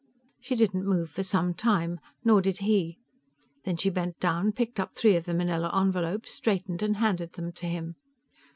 She did not move for some time, nor did he; then she bent down, picked up three of the manila envelopes, straightened, and handed them to him.